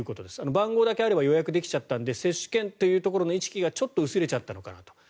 番号だけあれば予約できちゃったので接種券というところの意識がちょっと薄れちゃったのかなと。